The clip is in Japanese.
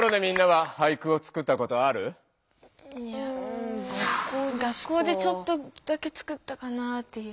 うん学校でちょっとだけつくったかなっていう。